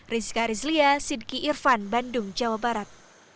rizka rizlia sidki irfan bandung jawa barat